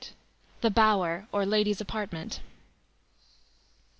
The Bower, or Ladies' Apartment.